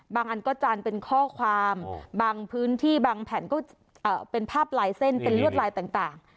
อันก็จานเป็นข้อความบางพื้นที่บางแผ่นก็เป็นภาพลายเส้นเป็นลวดลายต่าง